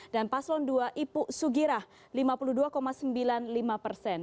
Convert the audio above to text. dan paslon dua ipuk sugirah lima puluh dua sembilan puluh lima persen